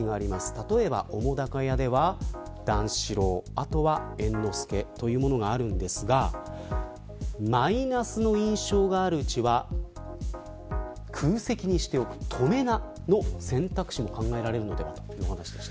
例えば、澤瀉屋では段四郎あとは猿之助というものがありますがマイナスの印象があるうちは空席にしておく止め名の選択肢も考えられるということです。